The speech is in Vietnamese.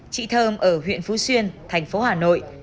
chị thơm ở huyện phú xuyên thành phố hà nội